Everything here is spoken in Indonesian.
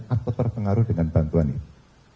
atau terpengaruh dengan bantuan ini